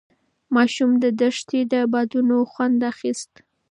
ماشوم د دښتې د بادونو خوند اخیست.